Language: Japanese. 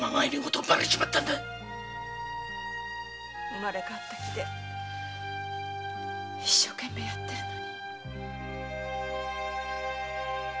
生まれ変わって一生懸命やってきたのに。